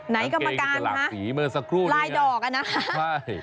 ไหนกรรมการฮะลายดอกอ่ะนะ